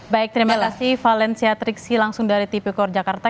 baik terima kasih valencia triksi langsung dari tipikor jakarta